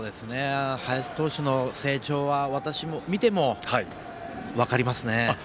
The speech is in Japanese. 林投手の成長は私が見ても分かりますね。